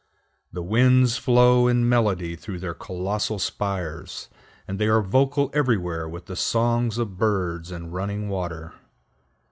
The winds flow in melody through their colossal spires, and they are vocal everywhere with the songs of birds and running water.